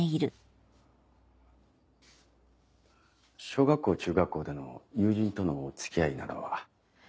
小学校中学校での友人との付き合いなどは？